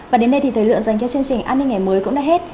và đến đây thì thời lượng dành cho chương trình an ninh ngày mới cũng đã hết